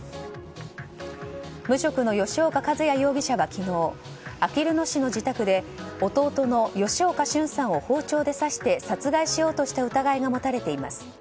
無職の吉岡一哉容疑者は昨日あきる野市の自宅で弟の吉岡俊さんを包丁で刺して殺害しようとした疑いが持たれています。